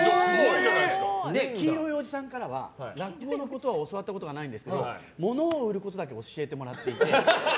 黄色いおじさんからは落語のことを教わったことはないんですけど物を売ることだけ教わっていて。